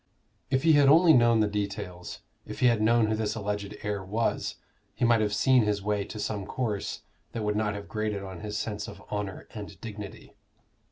If he had only known the details, if he had known who this alleged heir was, he might have seen his way to some course that would not have grated on his sense of honor and dignity.